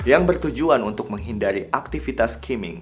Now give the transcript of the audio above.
yang bertujuan untuk menghindari aktivitas skimming